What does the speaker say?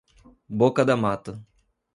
Boca da Mata